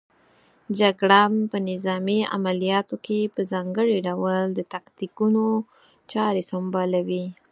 جګړن په نظامي عملیاتو کې په ځانګړي ډول د تاکتیکونو چارې سنبالوي.